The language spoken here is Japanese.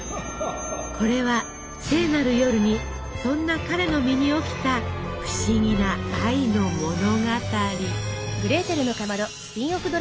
これは聖なる夜にそんな彼の身に起きた不思議な愛の物語。